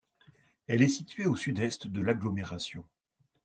Elle est située au sud-est de l'agglomération.